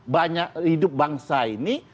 banyak hidup bangsa ini